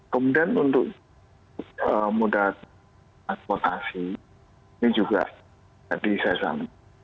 kemudian untuk modal transportasi ini juga tadi saya sangka